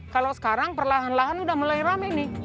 kalau sekarang perlahan lahan sudah mulai rame nih